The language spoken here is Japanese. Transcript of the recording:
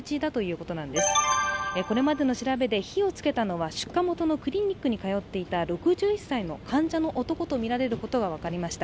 これまでの調べで、火を付けたのは出火元のクリニックに通っていた６１歳の患者の男とみられることが分かりました。